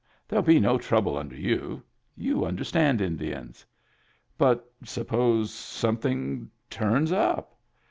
Therell be no trouble under you. You understand Indians." " But suppose something turns up